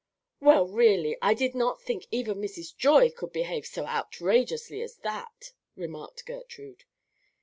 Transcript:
"Well, really, I did not think even Mrs. Joy could behave so outrageously as that," remarked Gertrude.